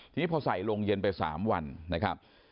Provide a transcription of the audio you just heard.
ทีนี้พอใส่โรงเย็นไป๓วันนะครับ